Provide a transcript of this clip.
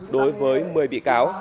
đối với một mươi bị cáo